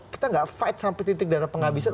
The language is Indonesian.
kita gak fight sampai titik data penghabisan